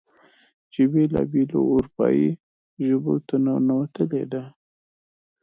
چې بېلا بېلو اروپايې ژبو ته ننوتلې ده.